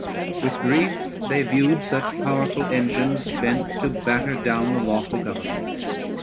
With grief they viewed such powerful engines bent To batter down the lawful government.